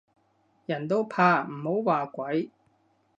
人都怕唔好話鬼